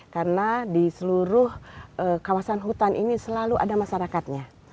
karena di seluruh kawasan hutan ini selalu ada masyarakatnya